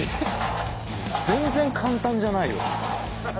全然簡単じゃないよ。